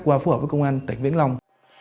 qua phù hợp với công an tỉnh vĩnh long